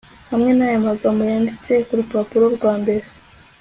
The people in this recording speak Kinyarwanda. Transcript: hamwe naya magambo yanditse kurupapuro rwa mbere